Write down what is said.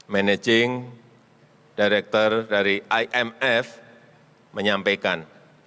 managing director dari imf menyampaikan